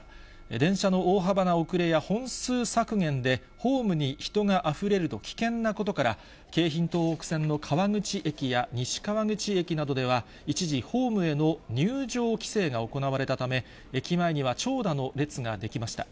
電車の大幅な遅れや、本数削減で、ホームに人があふれると危険なことから、京浜東北線の川口駅や西川口駅などでは、一時、ホームへの入場規制が行われたため、駅前には長蛇の列が出来ました。